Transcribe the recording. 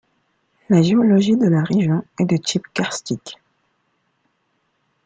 La géologie de la région est de type karstique.